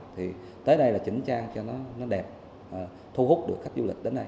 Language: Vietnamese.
thì tới đây là chỉnh trang cho nó đẹp thu hút được khách du lịch đến đây